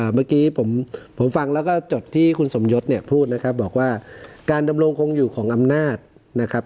เมื่อกี้ผมฟังแล้วก็จดที่คุณสมยศเนี่ยพูดนะครับบอกว่าการดำรงคงอยู่ของอำนาจนะครับ